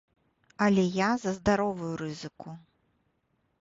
Але я за здаровую рызыку.